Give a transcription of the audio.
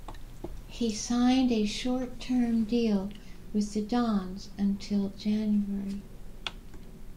He signed a short-term deal with the Dons until January.